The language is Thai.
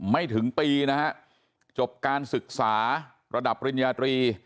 ไม่ถึงปีนะครับจบการศึกษาระดับรินิยาตรี